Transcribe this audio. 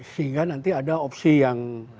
sehingga nanti ada opsi yang